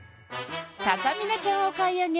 たかみなちゃんお買い上げ